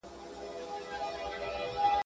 چي فارغ به یې کړ مړی له کفنه.